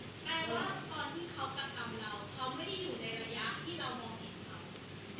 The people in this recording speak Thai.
เขาไม่ได้อยู่ในระยะที่เรามองเห็นเขา